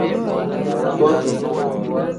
Boti.